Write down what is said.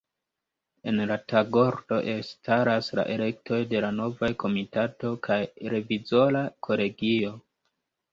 En la tagordo elstaras la elektoj de la novaj Komitato kaj revizora kolegio.